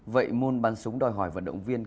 vậy môn bắn súng đòi hỏi vận động viên